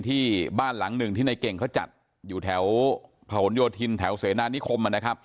ที่บ้านหลังหนึ่งที่ในเก็งก็จัดอยู่แถวผโหนโยธินแถวเสนานิคม